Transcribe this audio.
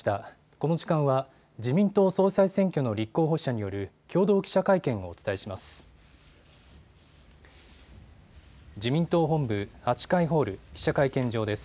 この時間は、自民党総裁選挙の立候補者による共同記者会見をお伝えします。